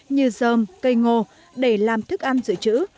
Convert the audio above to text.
như dơm cây ngô để làm thức ăn dự trữ